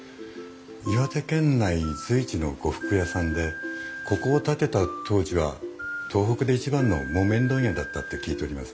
岩手県内随一の呉服屋さんでここを建てた当時は東北で一番の木綿問屋だったって聞いております。